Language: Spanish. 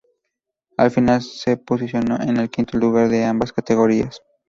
Al final se posicionó en el quinto lugar en ambas categorías.